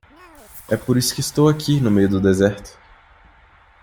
É por isso que estou aqui no meio do deserto.